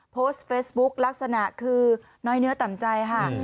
โพสต์เฟซบุ๊คลักษณะคือน้อยเนื้อต่ำใจค่ะ